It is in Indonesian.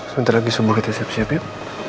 sebentar lagi semua kita siap siap yuk